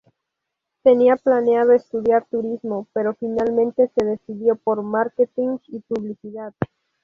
Tenía planeado estudiar Turismo pero finalmente se decidió por Marketing y Publicidad.